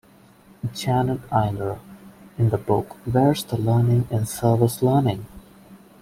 Janet Eyler, in the book Where's the Learning in Service-Learning?